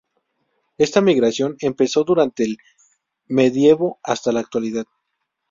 Esta migración empezó durante el medievo hasta la actualidad.